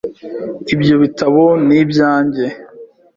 Ibyo bitabo ni ibyanjye .